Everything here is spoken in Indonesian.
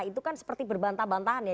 itu kan seperti berbantah bantahan ya